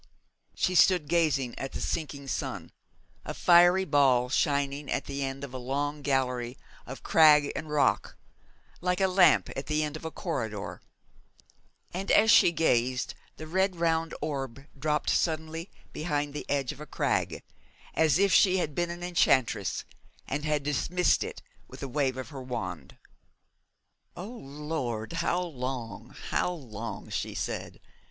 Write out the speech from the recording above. She stood gazing at the sinking sun, a fiery ball shining at the end of a long gallery of crag and rock, like a lamp at the end of a corridor; and as she gazed the red round orb dropped suddenly behind the edge of a crag, as if she had been an enchantress and had dismissed it with a wave of her wand. 'O Lord, how long, how long?' she said.